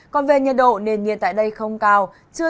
còn về nhiệt độ nền nhiệt tại đây không cao